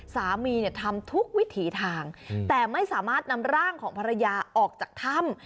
สามีเนี่ยทำทุกวิถีทางแต่ไม่สามารถนำร่างของภรรยาออกจากถ้ำ